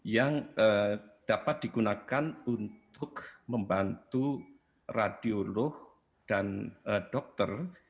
yang dapat digunakan untuk membantu radiolog dan dokter